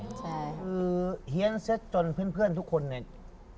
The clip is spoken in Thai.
คือเฮียนซะจนเพื่อนทุกคนเนี่ย